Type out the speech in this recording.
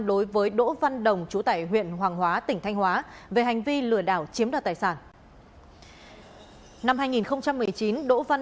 năm hai nghìn một mươi chín đỗ văn đồng trú tải huyện hoàng hóa tỉnh thanh hóa về hành vi lừa đảo chiếm đạt tài sản